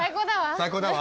最高だわ。